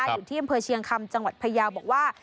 อยู่ที่อำเภอเชียงคำจังหวัดพยาวบอกว่า